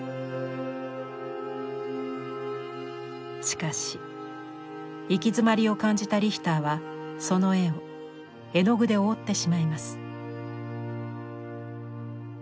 しかし行き詰まりを感じたリヒターはその絵を絵の具で覆ってしまいます。